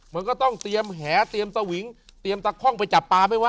มันก็ต้องเตรียมแหเตรียมสวิงเตรียมตะคล่องไปจับปลาไหมวะ